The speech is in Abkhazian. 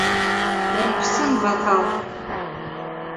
Умԥсын, Баҭал!